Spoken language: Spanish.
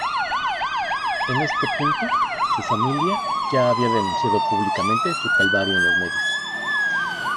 En este punto, su familia, ya había denunciado públicamente su calvario en los medios.